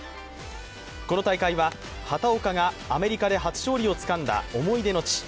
この大会は畑岡がアメリカで初勝利をつかんだ思い出の地。